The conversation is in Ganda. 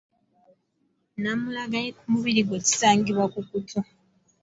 Namulagayi ku mubiri gwo kisangibwa ku kutu.